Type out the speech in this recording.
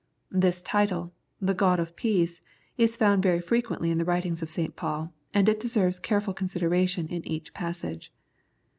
This title, " The God of Peace," is found very frequently in the writings of St. Paul, and it deserves care ful consideration in each passage.